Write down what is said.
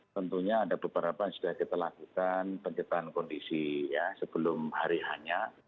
tentunya ada beberapa yang sudah kita lakukan pencetaan kondisi ya sebelum hari hanya